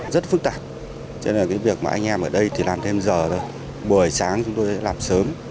rất phức tạp cho nên cái việc mà anh em ở đây thì làm thêm giờ thôi buổi sáng chúng tôi sẽ làm sớm